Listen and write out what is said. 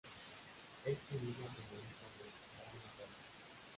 Este mismo Finaliza en el Hospital La Raza.